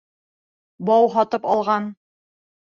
Бау һатып алған.